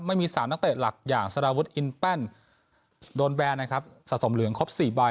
ไม่มีสามนักเตฤจหลักอย่างสระวุดอินแป้นโดนแบ้งเรืองครบ๔ใบ